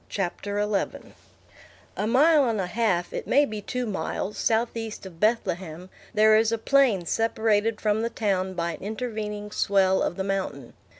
CHAPTER XI A mile and a half, it may be two miles, southeast of Bethlehem, there is a plain separated from the town by an intervening swell of the mountain.